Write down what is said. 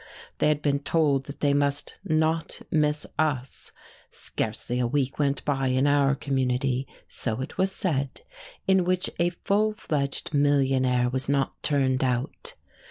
They had been told that they must not miss us; scarcely a week went by in our community so it was said in which a full fledged millionaire was not turned out.